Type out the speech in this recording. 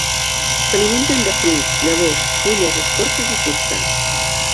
S'alimenten de fruits, llavors, fulles, escorces i fusta.